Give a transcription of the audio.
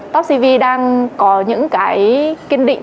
topcv đang có những cái kiên định